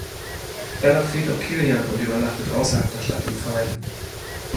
Danach flieht auch Kilian und übernachtet außerhalb der Stadt im Freien.